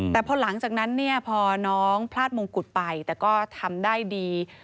แต่พอหลังจากนั้นเนี่ยพอน้องพลาดมงกุฎไปแต่ก็ทำได้ดี